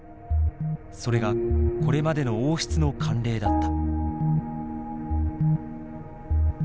それがこれまでの王室の慣例だった。